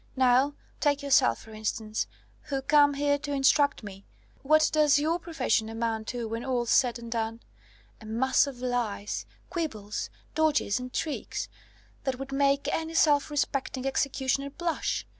Now, take yourself, for instance, who come here to instruct me: what does your profession amount to, when all's said and done? A mass of lies, quibbles, dodges, and tricks, that would make any self respecting executioner blush!